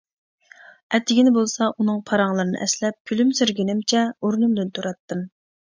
ئەتىگىنى بولسا ئۇنىڭ پاراڭلىرىنى ئەسلەپ كۈلۈمسىرىگىنىمچە ئورنۇمدىن تۇراتتىم.